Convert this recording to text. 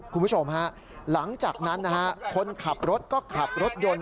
คุณผู้ชมฮะหลังจากนั้นนะฮะคนขับรถก็ขับรถยนต์